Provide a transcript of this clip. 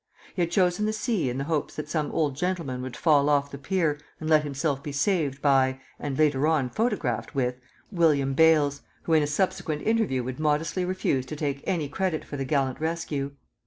He had chosen the sea in the hopes that some old gentleman would fall off the pier and let himself be saved by and, later on, photographed with William Bales, who in a subsequent interview would modestly refuse to take any credit for the gallant rescue.